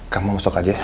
kamu masuk aja